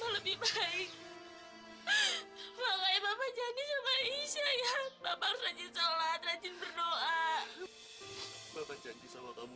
udah lama udah lama